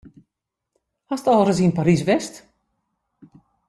Hast al ris yn Parys west?